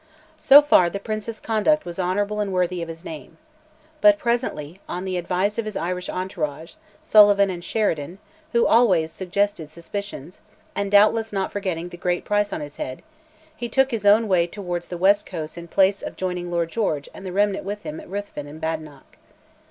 So far the Prince's conduct was honourable and worthy of his name. But presently, on the advice of his Irish entourage, Sullivan and Sheridan, who always suggested suspicions, and doubtless not forgetting the great price on his head, he took his own way towards the west coast in place of joining Lord George and the remnant with him at Ruthven in Badenoch.